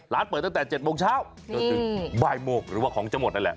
เปิดตั้งแต่๗โมงเช้าจนถึงบ่ายโมงหรือว่าของจะหมดนั่นแหละ